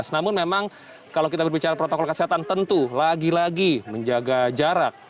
namun memang kalau kita berbicara protokol kesehatan tentu lagi lagi menjaga jarak